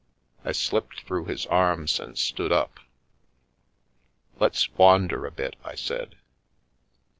I slipped through his arms and stood up. " Let's wander a bit," I said.